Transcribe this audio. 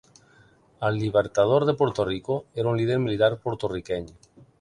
El Libertador de Puerto Rico, era un líder militar porto-riqueny.